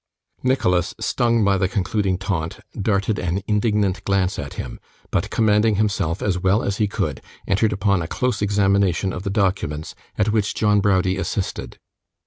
Nicholas, stung by the concluding taunt, darted an indignant glance at him; but commanding himself as well as he could, entered upon a close examination of the documents, at which John Browdie assisted.